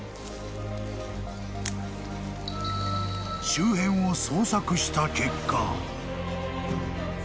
［周辺を捜索した結果］